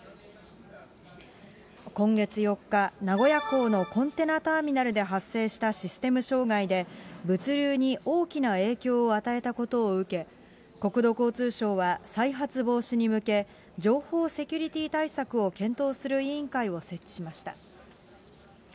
今月４日、名古屋港のコンテナターミナルで発生したシステム障害で、物流に大きな影響を与えたことを受け、国土交通省は、再発防止に向け、情報セキュリティー対策を検討する委員会を設置しました。